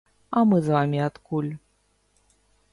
А мы з вамі адкуль?